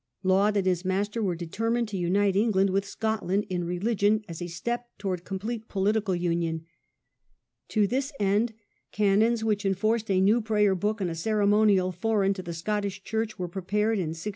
Laud and his master were determined to unite England with Scotland in religion as a step towards complete political union. To this end canons, which enforced a new Prayer book and a ceremonial foreign to the Scottish Church, were prepared in 1636.